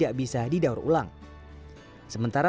ada yang putih